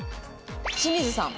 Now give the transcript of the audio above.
「清水さん」。